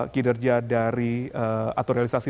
kinerja dari atau realisasi